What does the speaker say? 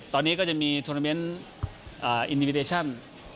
ตอนนี้ก็จะมีทวนิเมนต์อ่าอินดิมิเตชั่น